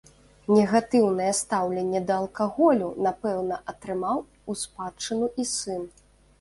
Негатыўнае стаўленне да алкаголю, напэўна, атрымаў у спадчыну і сын.